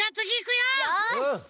よし！